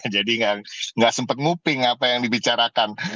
jadi gak sempat nguping apa yang dibicarakan